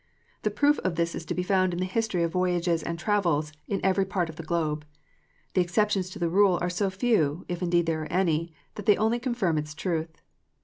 The proof of this is to be found in the history of voyages and travels in every part of the globe. The exceptions to the rule are so few, if indeed there are any, that they only confirm its truth.